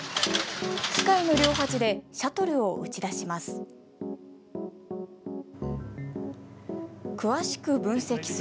機械の両端でシャトルを打ち出します。